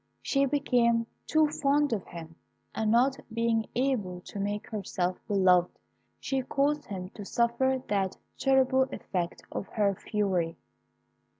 She became too fond of him, and not being able to make herself beloved, she caused him to suffer that terrible effect of her fury.